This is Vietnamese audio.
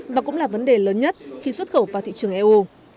và cũng là vấn đề lớn nhất khi xuất khẩu vào thị trường eu